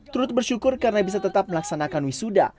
turut bersyukur karena bisa tetap melaksanakan wisuda